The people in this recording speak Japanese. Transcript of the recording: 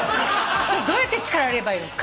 それどうやって力入れればいいの？